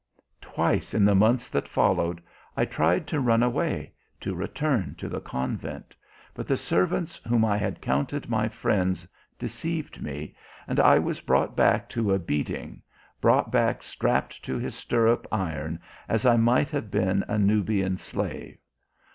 "Twice in the months that followed I tried to run away, to return to the convent; but the servants whom I had counted my friends deceived me, and I was brought back to a beating, brought back strapped to his stirrup iron as I might have been a Nubian slave.